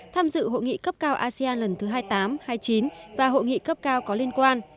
tham dự hội nghị cấp cao asean lần thứ hai mươi tám hai mươi chín và hội nghị cấp cao có liên quan